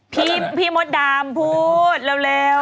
พี่พี่มดดามพูดเร็ว